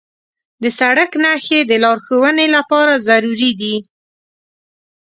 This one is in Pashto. د سړک نښې د لارښوونې لپاره ضروري دي.